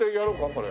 これ。